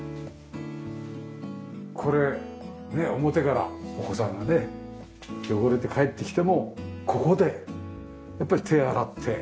これねっ表からお子さんがね汚れて帰ってきてもここでやっぱり手洗って。